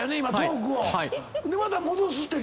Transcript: でまた戻すって？